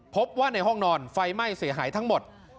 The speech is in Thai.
พบว่าในห้องนอนไฟไหม้เสียหายทั้งหมด